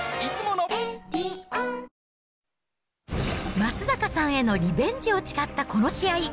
松坂さんへのリベンジを誓ったこの試合。